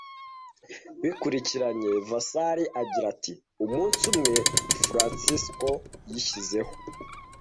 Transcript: Bikurikiranye. Vasari agira ati: "Umunsi umwe Francesco yishyizeho